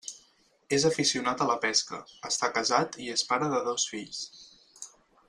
És aficionat a la pesca, està casat i és pare de dos fills.